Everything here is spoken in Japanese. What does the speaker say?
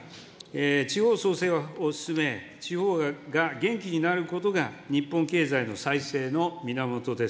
地方創生を進め、地方が元気になることが日本経済の再生の源です。